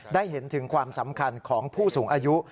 ได้เห็นถึงความสำคัญของผู้สูงอายุ